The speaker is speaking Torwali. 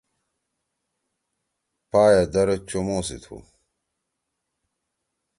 پائے در چومو سی تُھو۔